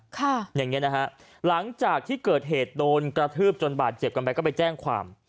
ค่ะอย่างเงี้นะฮะหลังจากที่เกิดเหตุโดนกระทืบจนบาดเจ็บกันไปก็ไปแจ้งความ